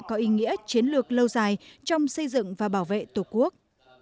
có ý nghĩa chiến lược lâu dài trong xây dựng và bảo vệ tổ quốc